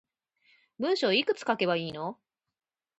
文章いくつ書けばいいの